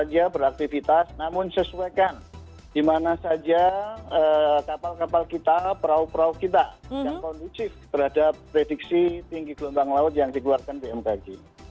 tidak ada masalah beraktivitas namun sesuaikan dimana saja kapal kapal kita perahu perahu kita yang kondusif terhadap prediksi tinggi gelombang laut yang dikeluarkan pmkg